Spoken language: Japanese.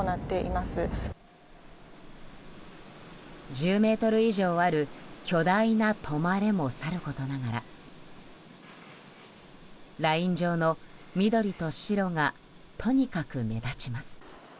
１０ｍ以上ある巨大な「止まれ」もさることながらライン上の緑と白がとにかく目立ちます。